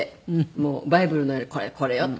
もうバイブルのように「これよ」って。